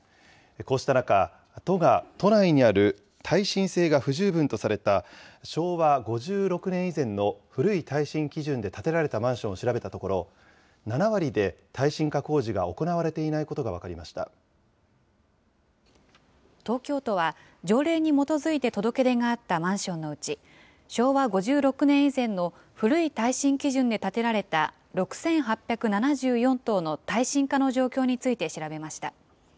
こうした中、都が、都内にある耐震性が不十分とされた昭和５６年以前の古い耐震基準で建てられたマンションを調べたところ、７割で耐震化工事が行わ東京都は、条例に基づいて届け出があったマンションのうち、昭和５６年以前の古い耐震基準で建てられた６８７４棟の耐震化の状況について調べました。